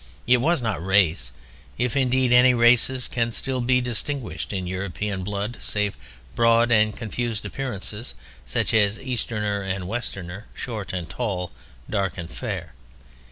It was not race—if indeed any races can still be distinguished in European blood save broad and confused appearances, such as Easterner and Westerner, short and tall, dark and fair.